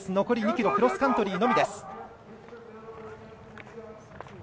残り２ｋｍクロスカントリーのみです。